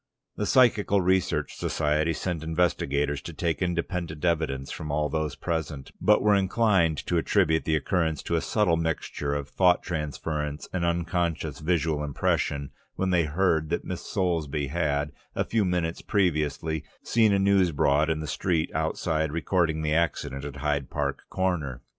The Psychical Research Society sent investigators to take independent evidence from all those present, but were inclined to attribute the occurrence to a subtle mixture of thought transference and unconscious visual impression, when they heard that Miss Soulsby had, a few minutes previously, seen a news board in the street outside recording the accident at Hyde Park Corner.